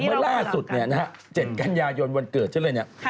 เมื่อล่าสุดนะครับเจ็ดกันยายนวันเกิดใช่ไหม